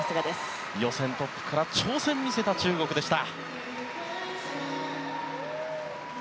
予選トップから挑戦見せた中国でした。